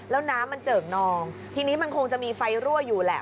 แล้วน้ำมันเจิกนองทีนี้มันคงจะมีไฟรั่วอยู่แหละ